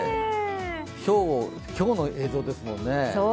今日正午の映像ですもんね。